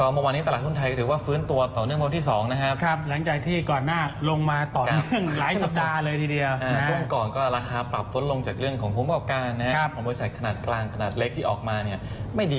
บูริษัทขนาดกลางขนาดเล็กที่ออกมาไม่ดี